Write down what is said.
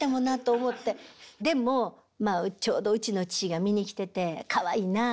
でもまあちょうどうちの父が見に来てて「かわいいなあ」